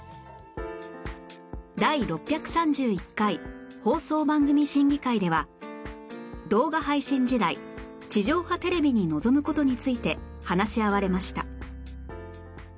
第６３１回放送番組審議会では「動画配信時代地上波テレビに望むこと」について話し合われました